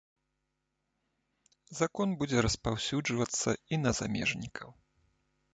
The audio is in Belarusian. Закон будзе распаўсюджвацца і на замежнікаў.